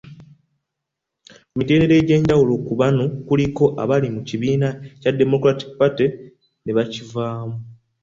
Ku mitendera egy'enjawulo, ku bano kuliko abaali mu kibiina kya Democratic Party ne bakivaamu.